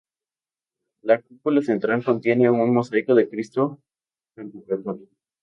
La cúpula central contiene un mosaico de Cristo Pantocrátor.